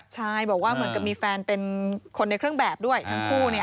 ใช่บอกว่าเหมือนกับมีแฟนเป็นคนในเครื่องแบบด้วยทั้งคู่